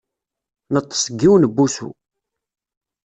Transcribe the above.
Neṭṭeṣ deg yiwen n wusu.